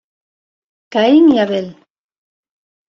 Caín y Abel.